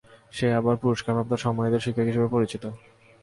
সে আবার পুরষ্কারপ্রাপ্ত সম্মানিত শিক্ষক হিসেবে পরিচিত।